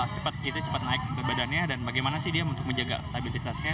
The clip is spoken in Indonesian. cepat gitu cepat naik badannya dan bagaimana sih dia untuk menjaga stabilitasnya